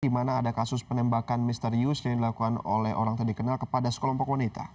di mana ada kasus penembakan misterius yang dilakukan oleh orang terdikenal kepada sekolah pokok wanita